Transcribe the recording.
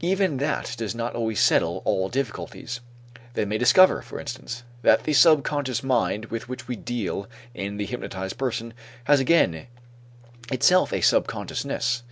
Even that does not always settle all difficulties. They may discover, for instance, that the subconscious mind with which we deal in the hypnotized person has again itself a subconsciousness.